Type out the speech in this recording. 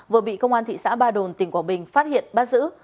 vừa bị công an thị xã ba đồn tỉnh quảng bình phát hiện bắt giữ